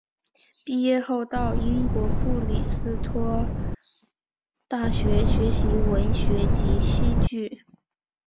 毕业后到英国布里斯托大学学习文学及戏剧。